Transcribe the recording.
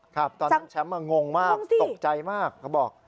ครับตอนนั้นแชมป์งงมากตกใจมากเขาบอก